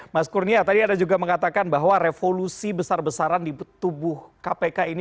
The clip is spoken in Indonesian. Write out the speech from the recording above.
mas kurnia tadi ada juga mengatakan bahwa revolusi besar besaran di tubuh kpk ini